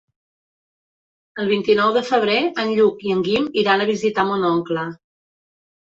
El vint-i-nou de febrer en Lluc i en Guim iran a visitar mon oncle.